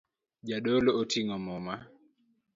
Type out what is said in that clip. Jadolo oting'o muma